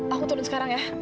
aku turun sekarang ya